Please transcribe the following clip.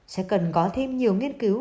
sẽ cần có thêm nhiều nghiên cứu